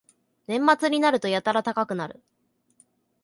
年末になるとやたら高くなる